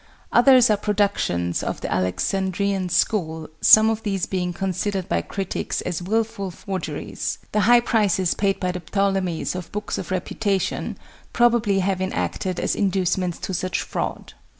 Others are productions of the Alexandrian school, some of these being considered by critics as wilful forgeries, the high prices paid by the Ptolemies for books of reputation probably having acted as inducements to such fraud.